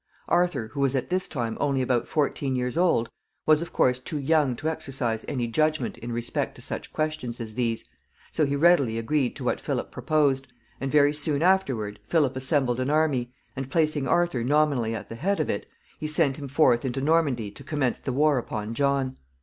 Arthur, who was at this time only about fourteen years old, was, of course, too young to exercise any judgment in respect to such questions as these, so he readily agreed to what Philip proposed, and very soon afterward Philip assembled an army, and, placing Arthur nominally at the head of it, he sent him forth into Normandy to commence the war upon John.